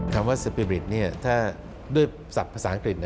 คำว่าสปีริตถ้าด้วยศัพท์ภาษาอังกฤษ